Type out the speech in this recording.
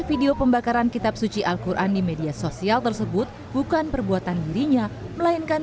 video pembakaran kitab suci al quran di media sosial tersebut bukan perbuatan dirinya melainkan